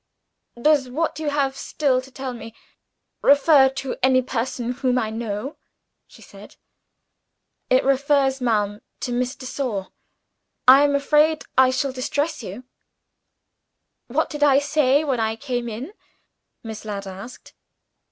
"Does what you have still to tell me refer to any person whom I know?" she said. "It refers, ma'am, to Miss de Sor. I am afraid I shall distress you." "What did I say, when I came in?" Miss Ladd asked.